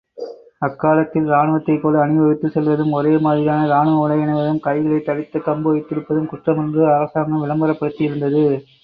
அக்காலத்தில் ராணுவத்தைப்போல் அணிவகுத்துச் செல்வதும், ஒரேமாதிரியான ராணுவ உடையணிவதும், கைகளில் தடிக் கம்பு வைத்திருப்பதும் குற்றமென்று அரசாங்கம் விளம்பரப்படுத்தியிருந்தது.